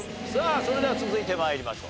それでは続いて参りましょう。